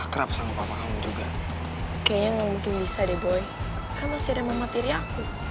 kayaknya gak mungkin bisa deh boy kan masih ada mama tiri aku